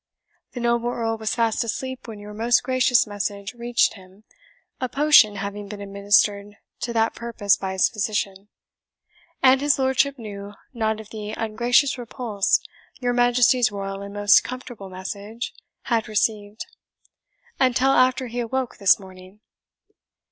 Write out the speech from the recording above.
The noble Earl was fast asleep when your most gracious message reached him, a potion having been administered to that purpose by his physician; and his Lordship knew not of the ungracious repulse your Majesty's royal and most comfortable message had received, until after he awoke this morning."